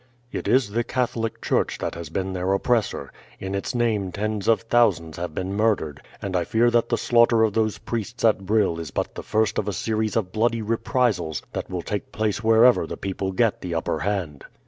"It is the Catholic church that has been their oppressor. In its name tens of thousands have been murdered, and I fear that the slaughter of those priests at Brill is but the first of a series of bloody reprisals that will take place wherever the people get the upper hand."